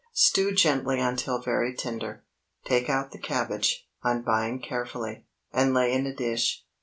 Stew gently until very tender. Take out the cabbage, unbind carefully, and lay in a dish.